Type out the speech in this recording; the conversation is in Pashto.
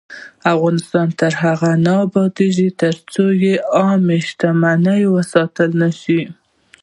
افغانستان تر هغو نه ابادیږي، ترڅو عامه شتمني وساتل نشي.